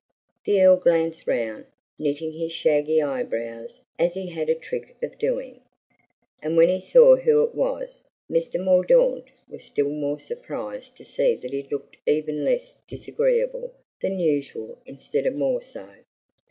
The Earl glanced around, knitting his shaggy eyebrows as he had a trick of doing, and when he saw who it was, Mr. Mordaunt was still more surprised to see that he looked even less disagreeable than usual instead of more so.